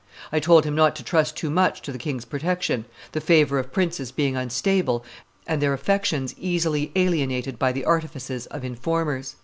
I told him not to trust too much to the king's protection, the favor of princes being unstable and their affections easily alienated by the artifices of informers.